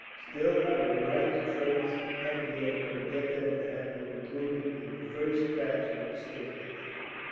Still, I will write to friends at Vienna, and get them to have you included in the first batch of exchanges."